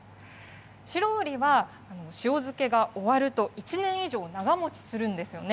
シロウリは塩漬けが終わると、１年以上長もちするんですよね。